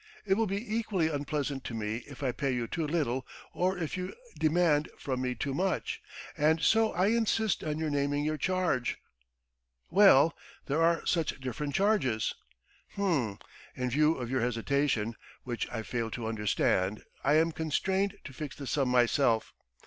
It will be equally unpleasant to me if I pay you too little, or if you demand from me too much, and so I insist on your naming your charge." "Well, there are such different charges." "H'm. In view of your hesitation, which I fail to understand, I am constrained to fix the sum myself.